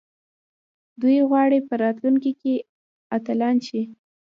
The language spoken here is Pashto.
دوی غواړي په راتلونکي کې اتلان شي.